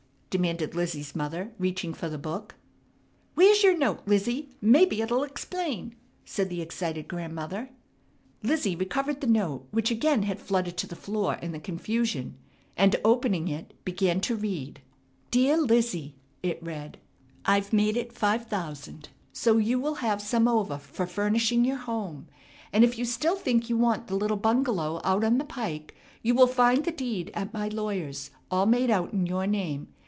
demanded Lizzie's mother, reaching for the book. "Where's yer note, Lizzie, mebbe it'll explain," said the excited Grandmother. Lizzie recovered the note which again had fluttered to the floor in the confusion and opening it began to read: "Dear Lizzie," it read "I've made it five thousand so you will have some over for furnishing your home, and if you still think you want the little bungalow out on the Pike you will find the deed at my lawyer's, all made out in your name.